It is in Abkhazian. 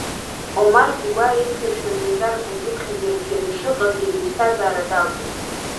Омар Беигәаа еиқәиршәаз ажәарқәа акьыԥхь азы ирхианы ишыҟаз, иара иԥсҭазаара далҵит.